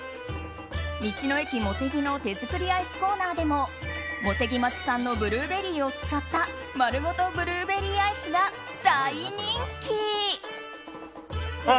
道の駅もてぎの手づくりアイスコーナーでも茂木町産のブルーベリーを使ったまるごとブルーベリーアイスが大人気。